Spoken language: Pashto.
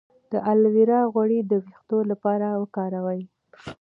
د الوویرا غوړي د ویښتو لپاره وکاروئ